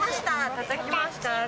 たたきました。